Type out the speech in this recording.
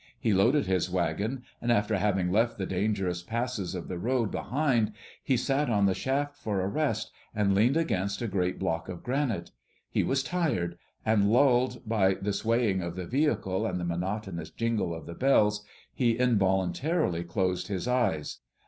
He loaded his wagon; and after having left the dangerous passes of the road behind, he sat on the shaft for a rest, and leaned against a great block of granite. He was tired; and lulled by the swaying of the vehicle and the monotonous jingle of the bells, he involuntarily closed his eyes.